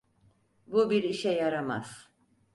Bu bir işe yaramaz.